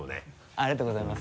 ありがとうございます。